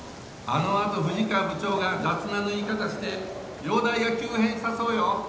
あのあと富士川部長が雑な縫い方して容体が急変したそうよ。